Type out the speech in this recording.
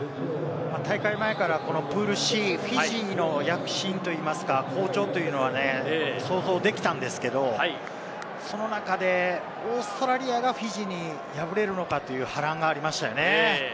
大会前からこのプールＣ、フィジーの躍進といいますか、好調というのは想像できたんですけれども、その中でオーストラリアがフィジーに敗れるのか？という波乱がありましたよね。